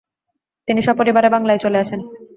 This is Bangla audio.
তিনি সপরিবারে বাংলায় চলে আসেন।